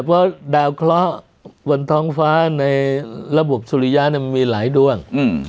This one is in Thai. เพราะดาวเคราะห์บนท้องฟ้าในระบบสุริยะมันมีหลายดวง